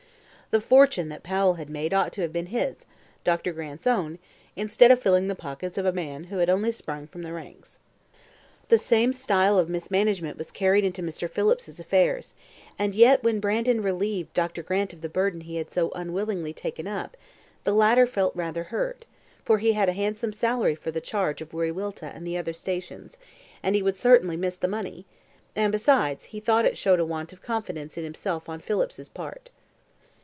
The fortune that Powell had made ought to have been his Dr. Grant's own instead of filling the pockets of a man who had only sprung from the ranks. The same style of mismanagement was carried into Mr. Phillips's affairs; and yet when Brandon relieved Dr. Grant of the burden he had so unwillingly taken up, the latter felt rather hurt, for he had had a handsome salary for the charge of Wiriwilta and the other stations, and he would certainly miss the money; and, besides, he thought it showed a want of confidence in himself on Phillips's part.